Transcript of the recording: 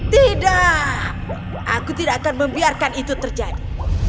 tidak aku tidak akan membiarkan itu terjadi